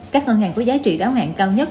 các ngân hàng có giá trị đáo hạng cao nhất